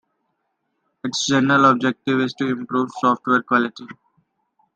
Its general objective is to improve software quality.